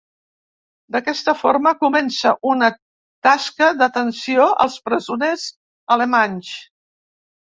D'aquesta forma, comença una tasca d'atenció als presoners alemanys.